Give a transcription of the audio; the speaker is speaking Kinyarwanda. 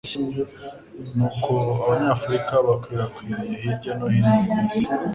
ni uko Abanyafurika bakwirakwiriye hirya no hino ku isi,